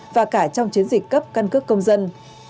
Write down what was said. và cả trong chiến dịch cấp căn cước công dân